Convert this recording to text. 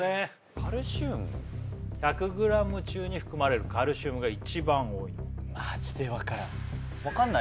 カルシウム１００ｇ中に含まれるカルシウムが一番多いのは分かんない？